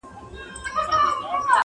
په کوم دلیل ورځې و میکدې ته قاسم یاره,